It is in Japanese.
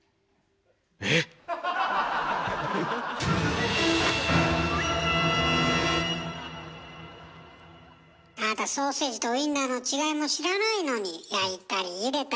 えっ⁉あなたソーセージとウインナーの違いも知らないのに焼いたりゆでたりパリパリ